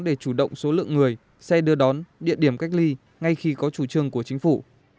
để chủ động số lượng người xe đưa đón địa điểm cách ly ngay khi có chủ trương của chính phủ